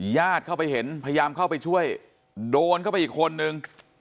ญาติเข้าไปเห็นพยายามเข้าไปช่วยโดนเข้าไปอีกคนนึง